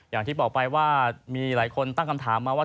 อย่างที่บอกไปว่ามีหลายคนตั้งคำถามมาว่า